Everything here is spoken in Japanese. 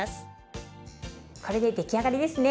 これで出来上がりですね。